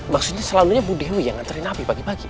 maksudnya selalunya bu dewi yang ngantriin abi pagi pagi